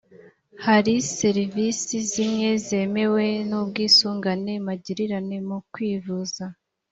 hari serivisi zimwe zemewe n’ubwisungane magirirane mu kwivuza